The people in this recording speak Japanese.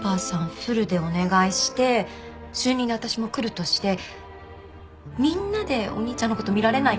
フルでお願いして週２で私も来るとしてみんなでお兄ちゃんの事見られないかな？